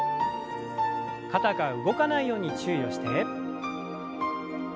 肩が動かないように注意をして。